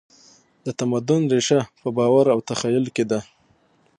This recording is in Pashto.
د تمدن ریښه په باور او تخیل کې ده.